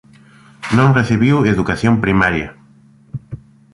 Non recibiu educación primaria.